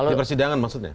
di persidangan maksudnya